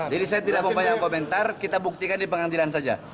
jadi saya tidak mau banyak komentar kita buktikan di pengadilan saja